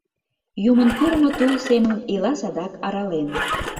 Юмын пӱрымӧ тул семым Ила садак арален.